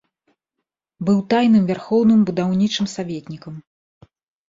Быў тайным вярхоўным будаўнічым саветнікам.